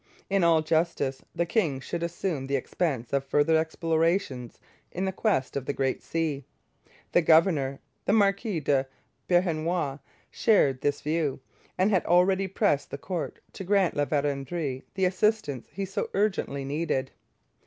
In all justice, the king should assume the expense of further explorations in quest of the Great Sea. The governor, the Marquis de Beauharnois, shared this view, and had already pressed the court to grant La Vérendrye the assistance he so urgently needed.